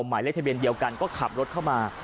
หมายเลขทะเบียนเดียวกันก็ขับรถเข้ามา